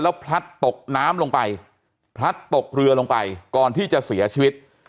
พลัดตกน้ำลงไปพลัดตกเรือลงไปก่อนที่จะเสียชีวิต